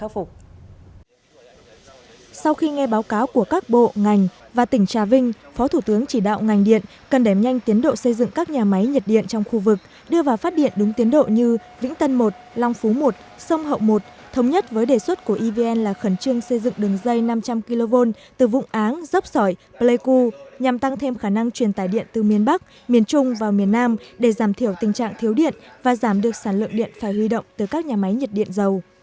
phó thủ tướng chỉ đạo ngành điện cần đếm nhanh tiến độ xây dựng các nhà máy nhiệt điện trong khu vực đưa vào phát điện đúng tiến độ như vĩnh tân một long phú một sông hậu một thống nhất với đề xuất của evn là khẩn trương xây dựng đường dây năm trăm linh kv từ vũng áng dốc sỏi pleiku nhằm tăng thêm khả năng truyền tải điện từ miền bắc miền trung và miền nam để giảm thiểu tình trạng thiếu điện và giảm được sản lượng điện phải huy động từ các nhà máy nhiệt điện giàu